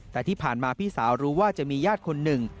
แต่ที่ผ่านมาพี่สาวรู้ว่าจะมีญาติคนหนึ่ง